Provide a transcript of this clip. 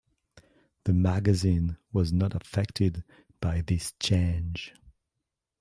The magazine was not affected by this change.